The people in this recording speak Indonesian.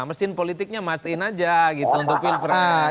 mesin politiknya mastiin aja gitu untuk pil peran